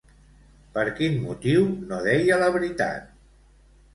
Per quin motiu no deia la veritat?